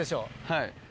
はい。